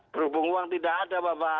berhubung uang tidak ada bapak